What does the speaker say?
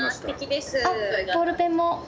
あっボールペンも。